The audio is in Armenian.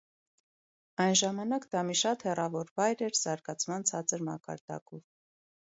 Այն ժամանակ դա մի շատ հեռավոր վայր էր՝ զարգացման ցածր մակարդակով։